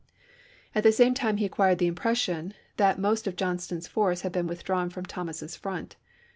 At the same time he acquired the impression that most of Johnston's force had been withdrawn from Thomas's front.